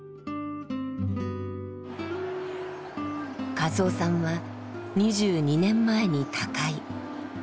一夫さんは２２年前に他界。